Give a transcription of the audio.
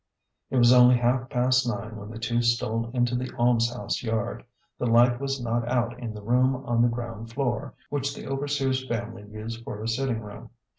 It was only half past nine when the two stole into the almshouse yard. The light was not out in the room on the ground floor, which the overseer's family used for a sitting room.